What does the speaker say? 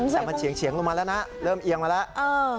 แต่มันเฉียงลงมาแล้วนะเริ่มเอียงมาแล้ว